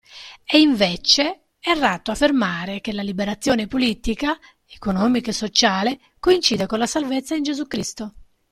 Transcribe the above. È, invece, errato affermare che la liberazione politica, economica e sociale coincide con la salvezza in Gesù Cristo.